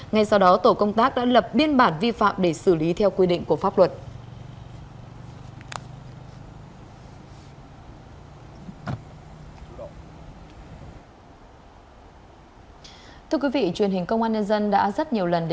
ngay sau đó tổ công tác đã lập biên bản vi phạm để xử lý theo quy định của pháp luật